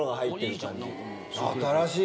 新しい！